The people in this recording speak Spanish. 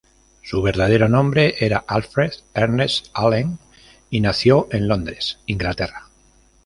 Su verdadero nombre era Alfred Ernest Allen, y nació en Londres, Inglaterra.